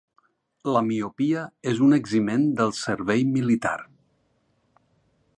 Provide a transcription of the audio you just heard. La miopia és un eximent del servei militar.